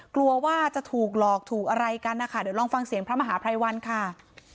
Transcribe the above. กลัวว่าจะถูกหลอกถูกอะไรกันนะคะเดี๋ยวลองฟังเสียงพระมหาภัยวันค่ะ